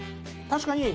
確かにね。